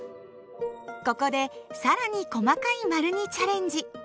ここでさらに細かい丸にチャレンジ！